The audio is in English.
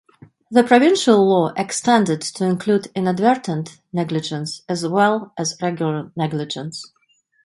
The provincial law extended to include "inadvertent negligence" as well as regular negligence.